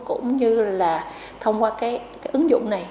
cũng như là thông qua ứng dụng này